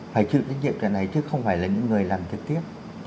phải chịu trách nhiệm cái này chứ không phải là những người làm trực tiếp